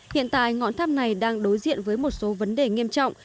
hiện tại ngọn tháp này đang đối diện với một số vấn đề nghiêm trọng